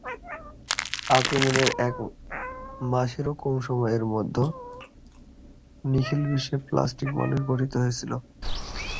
আক্রমণের এক মাসেরও কম সময়ের মধ্যে, নিখিলবিশ্বের প্লাস্টিক মানুষ গঠিত হয়েছিল।